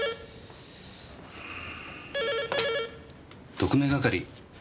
特命係。